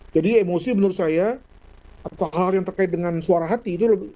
jadi emosi menurut saya atau hal hal yang terkait dengan suara hati